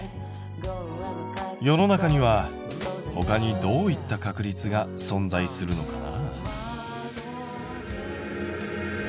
世の中にはほかにどういった確率が存在するのかな？